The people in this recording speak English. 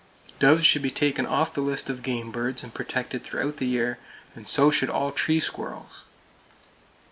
Doves should be taken off the list of game birds, and protected throughout the year; and so should all tree squirrels.